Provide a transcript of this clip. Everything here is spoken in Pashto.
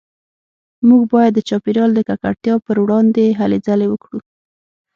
موږ باید د چاپیریال د ککړتیا پروړاندې هلې ځلې وکړو